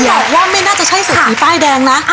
บอกว่าไม่น่าจะใช่เศรษฐีป้ายแดงนะ